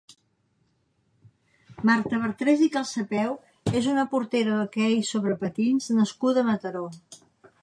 Marta Bartrès i Calsapeu és una portera d'hoquei sobre patins nascuda a Mataró.